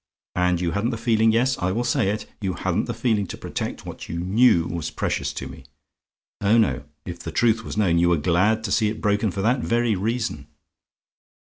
And you hadn't the feeling yes, I will say it you hadn't the feeling to protect what you knew was precious to me. Oh no, if the truth was known, you were glad to see it broken for that very reason.